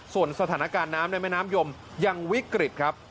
ส่วนสถานการณ์น้ำในแม่น้ำยมยังวิกฤตครับ